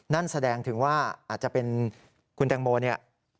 นั่นแสดงถึงว่าอาจจะเป็นคุณแตงโมเนี่ย